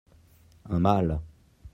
Un mâle.